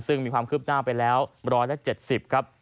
ซึ่งมีความคืบหน้าไปแล้ว๑๗๐ครับ